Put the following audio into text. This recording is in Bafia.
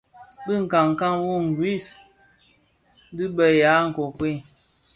Bi nkankan wu ngris dhi be ya nkuekuel.